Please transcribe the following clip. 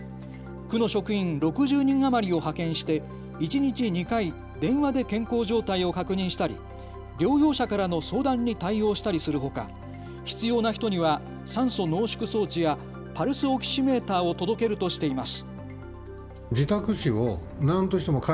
区の職員６０人余りを派遣して一日２回、電話で健康状態を確認したり療養者からの相談に対応したりするほか必要な人には酸素濃縮装置やパルスオキシメーターを届けるとしています。